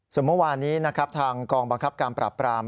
ส่วนเมื่อวานนี้นะครับทางกองบังคับการปราบปราม